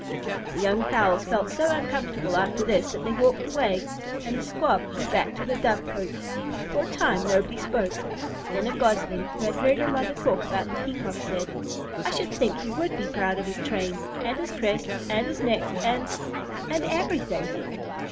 The young fowls felt so uncomfortable after this that they walked away, and the Squab flew back to the Dove cote. For a time nobody spoke. Then a Gosling, who had heard her mother talk about the Peacock, said, "I should think he would be proud of his train, and his crest, and his neck, and and everything!"